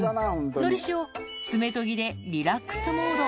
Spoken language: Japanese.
のりしお、爪研ぎでリラックスモード。